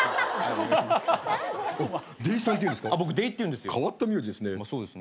僕出井っていうんですよ。